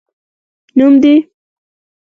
نوم دي؟